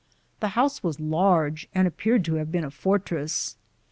The house was large and ap peared to have been a fortress.